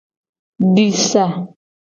Di sa.